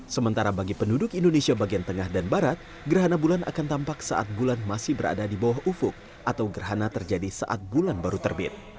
sementara bagi penduduk indonesia bagian tengah dan barat gerhana bulan akan tampak saat bulan masih berada di bawah ufuk atau gerhana terjadi saat bulan baru terbit